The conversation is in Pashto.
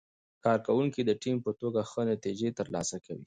کارکوونکي د ټیم په توګه ښه نتیجه ترلاسه کوي